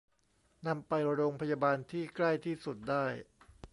นำไปโรงพยาบาลที่ใกล้ที่สุดได้